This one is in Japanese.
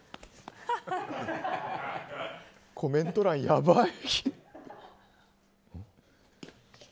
コメント欄、やばい。